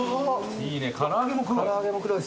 いいね唐揚げも黒い。